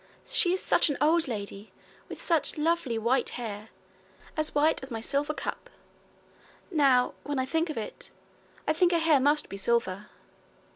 She is such an old lady, with such lovely white hair as white as my silver cup. Now, when I think of it, I think her hair must be silver.'